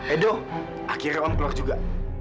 edo akhirnya on keluar juga